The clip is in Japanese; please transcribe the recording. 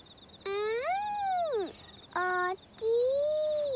うん！